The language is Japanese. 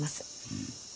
うん。